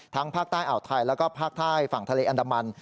ภาคใต้อ่าวไทยแล้วก็ภาคใต้ฝั่งทะเลอันดามัน